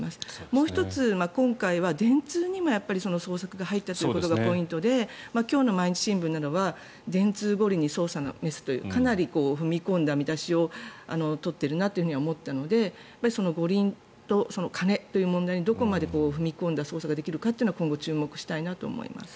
もう１つ今回は電通にも捜索が入ったことがポイントで今日の毎日新聞などは電通五輪に捜査のメスとかなり踏み込んだ見出しを取っているなと思ったのでその五輪と金という問題にどこまで踏み込んだ捜査ができるかというのは今後注目したいと思います。